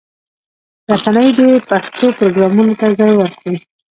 رسنۍ دې پښتو پروګرامونو ته ځای ورکړي.